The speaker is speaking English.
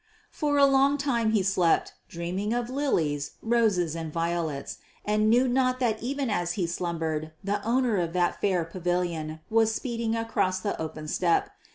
For a long time he slept, dreaming of lilies, roses, and violets, and knew not that even as he slumbered the owner of that fair pavilion was speeding across the open steppe.